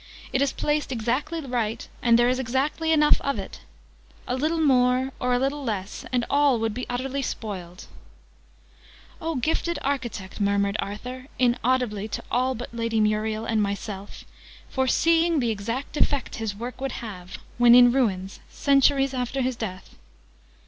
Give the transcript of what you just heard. It is placed exactly right: and there is exactly enough of it. A little more, or a little less, and all would be utterly spoiled!" {Image...A lecture, on art} "Oh gifted architect!" murmured Arthur, inaudibly to all but Lady Muriel and myself. "Foreseeing the exact effect his work would have, when in ruins, centuries after his death!"